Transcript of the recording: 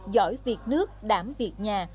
giỏi việc nước đảm việc nhà